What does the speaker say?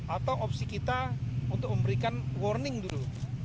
atau opsi kita untuk memberikan warning dulu